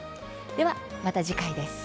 ではまた次回です。